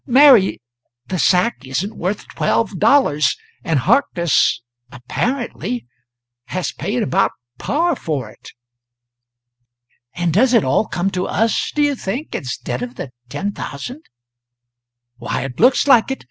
Mary, the sack isn't worth twelve dollars, and Harkness apparently has paid about par for it." "And does it all come to us, do you think instead of the ten thousand?" "Why, it looks like it.